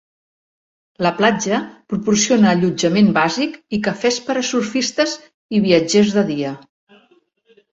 La platja proporciona allotjament bàsic i cafès per a surfistes i viatgers de dia.